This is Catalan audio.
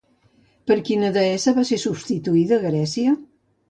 Per quina deessa va ser substituïda a Grècia?